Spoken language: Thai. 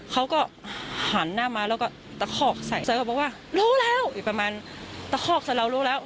เขาก็หันหน้ามาแล้วก็ตะคอกใส่ซอยเขาบอกว่ารู้แล้วอีกประมาณตะคอกใส่เรารู้แล้ว